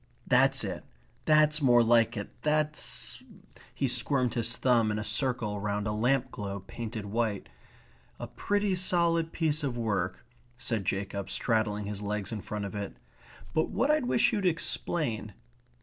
That's it. That's more like it. That's ..." he squirmed his thumb in a circle round a lamp globe painted white. "A pretty solid piece of work," said Jacob, straddling his legs in front of it. "But what I wish you'd explain